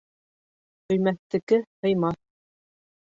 Һөймәҫтеке һыймаҫ.